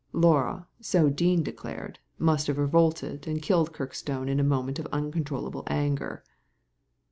Laura, so Dean declared, must have revolted and killed Kirkstone in a moment of un« controllable anger."